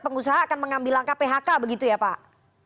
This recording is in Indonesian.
pengusaha akan mengambil langkah phk begitu ya pak